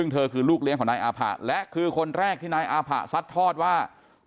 ซึ่งเธอคือลูกเลี้ยงของนายอาผะและคือคนแรกที่นายอาผะซัดทอดว่า